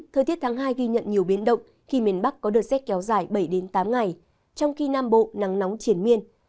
thời tiết tháng hai ghi nhận nhiều biến động khi miền bắc có đợt rét kéo dài bảy tám ngày trong khi nam bộ nắng nóng triển miên